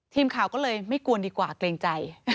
ทีมข่าวก็เลยไม่กวนดีกว่าเกรงใจ